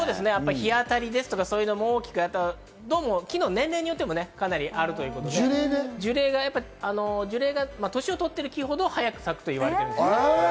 日当たりですとか、そういうのも大きく、木の年齢によってもかなりあるということで、年を取ってる木ほど、早く咲くと言われています。